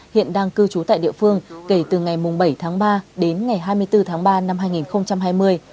hiện đang cư trú tại địa phương kể từ ngày bảy tháng ba đến ngày hai mươi bốn tháng ba năm hai nghìn hai mươi